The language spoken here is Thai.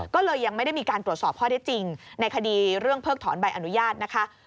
ก็เลยยังไม่ได้มีการตรวจสอบข้อได้จริงในคดีเรื่องเพิกถอนใบอนุญาตนะคะ